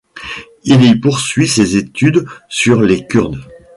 Il y poursuit ses études sur les Kurdes.